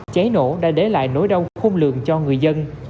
cháy nổ đã để lại nỗi đau khôn lường cho người dân